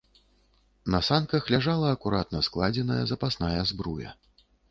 На санках ляжала акуратна складзеная запасная збруя.